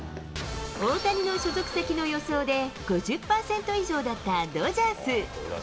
大谷の所属先の予想で５０％以上だったドジャース。